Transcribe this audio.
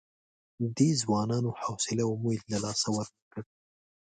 دې ځوانانو حوصله او امید له لاسه ورنه کړ.